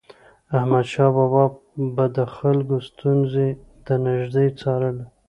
احمدشاه بابا به د خلکو ستونزې د نژدي څارلي.